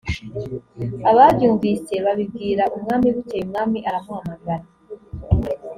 ababyumvise babibwira umwami bukeye umwami aramuhamagara